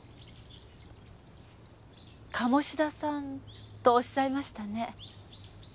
鴨志田さんとおっしゃいましたね。